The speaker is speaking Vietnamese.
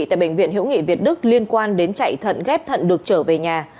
tại bệnh viện hữu nghị việt đức liên quan đến chạy thận ghép thận được trở về nhà